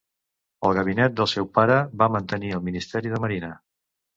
Al gabinet del seu pare va mantenir el ministeri de Marina.